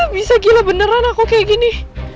bisa gila beneran aku kayak gini